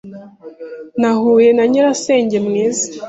Nahuye na nyirasenge mwiza